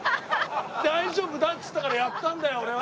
大丈夫だって言ったからやったんだよ俺は！